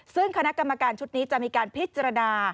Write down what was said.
ซึ่งคณะกรรมการชุดนี้จะมีการพิจารณา